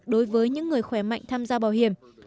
đối với những người khỏe mạnh tham gia bảo hiểm